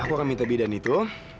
aku akan minta bidan itu